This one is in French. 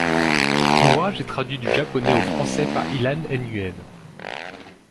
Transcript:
L'ouvrage est traduit du japonais au français par Ilan Nguyên.